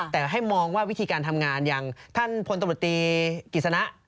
แต่ให้มองว่าวิธีการทำงานอย่างท่านพลตำรวจตีกิจสนะ